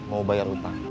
mau bayar utang